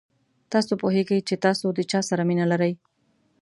تاسو پوهېږئ چې تاسو د چا سره مینه لرئ.